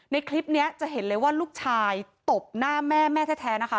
ในคลิปนี้จะเห็นเลยว่าลูกชายตบหน้าแม่แม่แท้นะคะ